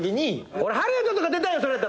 俺ハリウッドとか出たいよ！